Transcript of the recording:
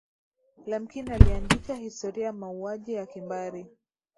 lemkin aliandika historia ya mauaji ya kimbari